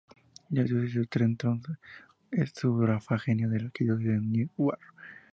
La Diócesis de Trenton es sufragánea de la Arquidiócesis de Newark.